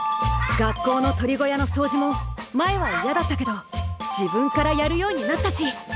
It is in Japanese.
学校の鶏小屋のそうじも前はいやだったけど自分からやるようになったし。